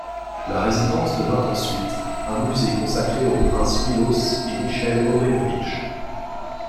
La résidence devint ensuite un musée consacré aux princes Miloš et Michel Obrenović.